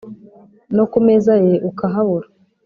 no ku meza ye ukahabura